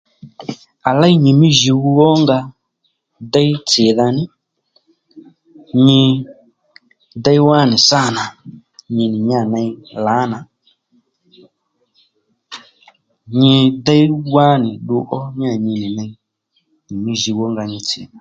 À léy nyi mí jùw ó nga déy tsìdha ní nyi déy wá nì sâ nà nyi nì nìyà ney lǎnà nyi déy wánì ddu ó níyà nyinì ney nyi mí jùw ó nga nyi tsì ní